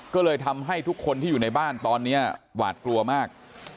ก็เลยทำให้ทุกคนที่อยู่ในบ้านตอนนี้หวาดกลัวมาก